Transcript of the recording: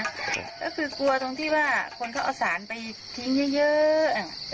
ก็คือกลัวตรงที่ว่าคนเขาเอาสารไปทิ้งเยอะ